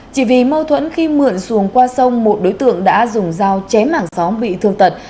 chỉ vì mâu thuẫn khi mượn xuồng qua sông một đối tượng đã dùng dao chém mảng xóm bị thương tật